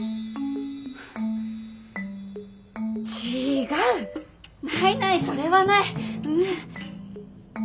違うないないそれはない。